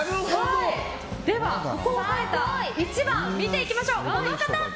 では、１番見ていきましょう。